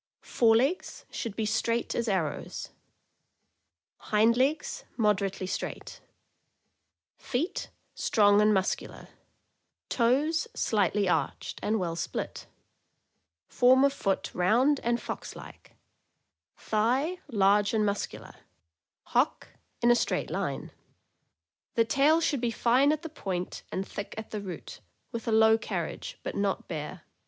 Fore legs should be straight as arrows ; hind legs moderately straight; feet strong and muscular; toes slightly arched and well split; form of foot round and fox like; thigh large and muscular; Ttock in a straight line. The tail should be fine at the point and thick at the root, with a low carriage, but not bare.